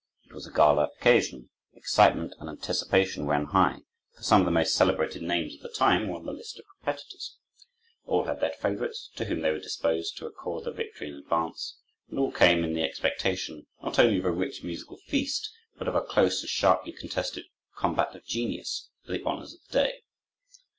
It was a gala occasion. Excitement and anticipation ran high, for some of the most celebrated names of the time were on the list of competitors. All had their favorites, to whom they were disposed to accord the victory in advance, and all came in the expectation, not only of a rich musical feast, but of a close and sharply contested combat of genius, for the honors of the day.